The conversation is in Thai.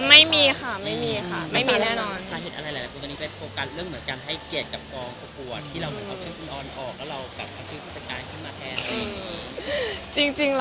ไม่มีค่ะไม่มีแน่นอน